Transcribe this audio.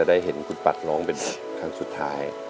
ได้เห็นคุณปัดร้องเป็นครั้งสุดท้าย